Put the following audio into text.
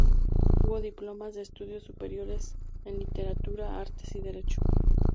Hubo diplomas de estudios superiores en Literatura, Artes y Derecho.